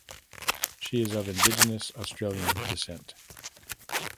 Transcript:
She is of Indigenous Australian descent.